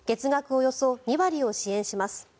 およそ２割を支援します。